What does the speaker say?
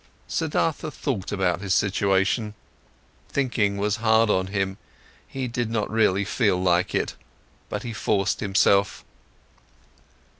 Siddhartha thought about his situation. Thinking was hard on him, he did not really feel like it, but he forced himself.